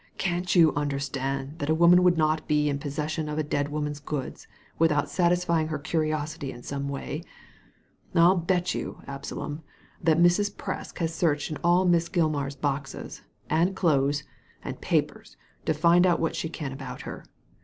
"Can't you under stand that a woman would not be left in possession of a dead woman's goods without satisfying her curiosity in some way? I'll bet you, Absalom, that Mrs. Presk has searched in all Miss Gilmar's boxes, and clothes, and papers, to find out what she can about her.